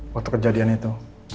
waktu kejadian itu